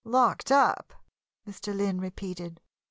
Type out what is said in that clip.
"Locked up?" Mr. Lynn repeated.